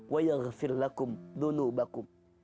wa yaghfir lakum dunubakum